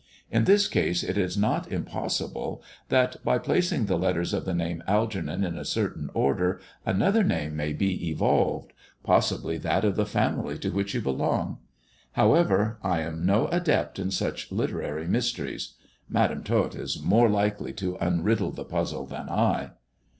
In this case it is not impossible that, by placing the letters of the name Algernon in a certain order, another name may be evolved — possibly that of the family to which you belong. However, I am no adept in such literary mysteries. Madam Tot is more likely to unriddle the puzzle than I."